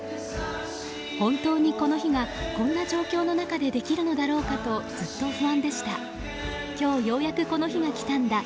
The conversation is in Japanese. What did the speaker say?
本当にこの日がこんな状況の中でできるのだろうかとずっと不安でした今日ようやくこの日が来たんだ